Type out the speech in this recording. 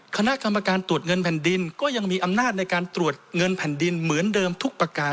คณะกรรมการตรวจเงินแผ่นดินก็ยังมีอำนาจในการตรวจเงินแผ่นดินเหมือนเดิมทุกประการ